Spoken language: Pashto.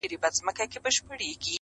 زه يې د ميني په چل څنگه پوه كړم~